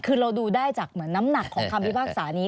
คือเราดูได้จากเหมือนน้ำหนักของคำพิพากษานี้